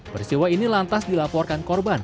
persiwa ini lantas dilaporkan korban